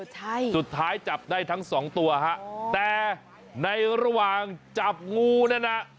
ใช่สุดท้ายจับได้ทั้งสองตัวฮะแต่ในระหว่างจับงูนั่นน่ะ